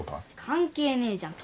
関係ねえじゃん